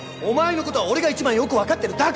お前の事は俺が一番よくわかってる。